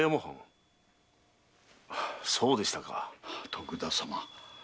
徳田様